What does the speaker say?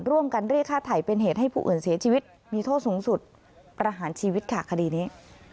ร่วมกันเรียกฆ่าไถ่เป็นเหตุให้ผู้อื่นเสียชีวิตมีโทษสูงสุดประหารชีวิตค่ะคดีนี้